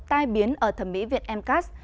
tai biến ở thẩm mỹ viện mcas